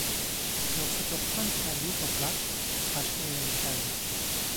Yoksa çoktan çergiyi toplar, başka yere göçerdim…